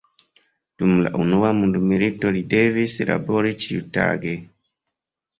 Dum la unua mondmilito li devis labori ĉiutage.